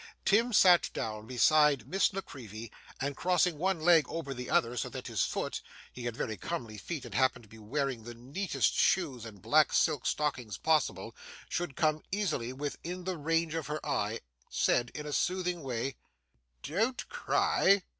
Tim sat down beside Miss La Creevy, and, crossing one leg over the other so that his foot he had very comely feet and happened to be wearing the neatest shoes and black silk stockings possible should come easily within the range of her eye, said in a soothing way: 'Don't cry!